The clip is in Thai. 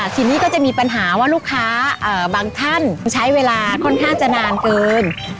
ทีนี้ก็จะมีปัญหาว่าลูกค้าบางท่านใช้เวลาค่อนข้างจะนานเกิน